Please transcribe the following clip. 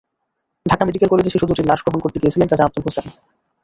Dhaka medical কলেজে শিশু দুটির লাশ গ্রহণ করতে গিয়েছিলেন চাচা আবুল হোসেন।